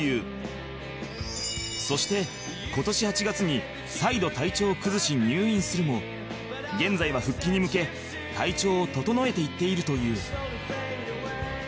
そして今年８月に再度体調を崩し入院するも現在は復帰に向け体調を整えていっているという